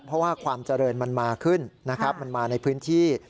เพราะว่าความเจริญมันมาขึ้นนะครับมันมาในพื้นที่